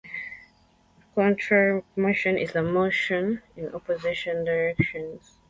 Contrary motion is motion in opposite directions.